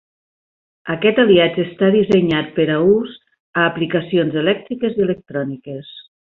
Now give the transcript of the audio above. Aquest aliatge està dissenyat per a ús a aplicacions elèctriques i electròniques.